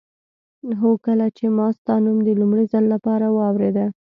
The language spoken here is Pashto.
هو کله چې ما ستا نوم د لومړي ځل لپاره واورېده.